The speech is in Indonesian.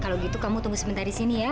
kalau gitu kamu tunggu sebentar di sini ya